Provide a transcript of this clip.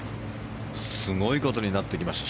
すごいことになってきました。